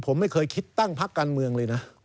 ผมไม่เคยคิดตั้งพักการเมืองเลยนะ